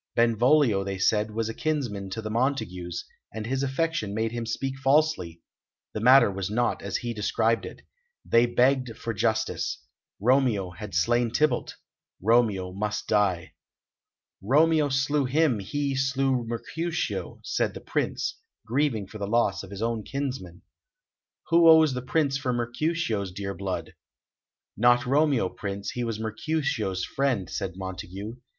Benvolio, they said, was a kinsman to the Montagues, and his affection made him speak falsely; the matter was not as he described it. They begged for justice. Romeo had slain Tybalt; Romeo must die. "Romeo slew him, he slew Mercutio," said the Prince, grieving for the loss of his own kinsman. "Who owes the price for Mercutio's dear blood?" "Not Romeo, Prince; he was Mercutio's friend," said Montague.